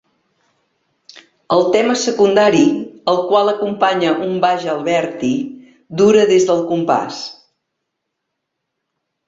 El tema secundari, al qual acompanya un baix Alberti, dura des del compàs